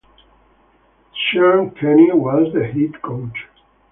Sean Kenny was the Head Coach.